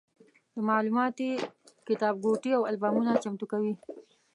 د معلوماتي کتابګوټي او البومونه چمتو کوي.